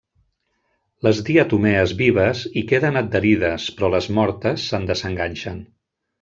Les diatomees vives hi queden adherides, però les mortes se'n desenganxen.